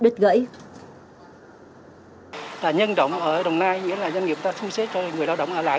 là nhân động ở đồng nai nghĩa là doanh nghiệp ta thu xế cho người lao động ở lại